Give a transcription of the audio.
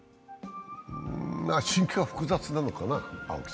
心境は複雑なのかな。